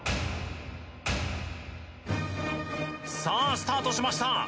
さあスタートしました